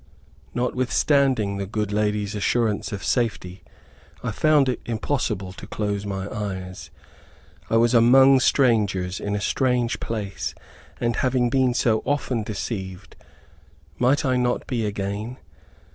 Notwithstanding the good lady's assurance of safety, I found it impossible to close my eyes. I was among strangers, in a strange place, and, having been so often deceived, might I not be again?